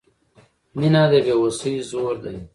• مینه د بې وسۍ زور دی.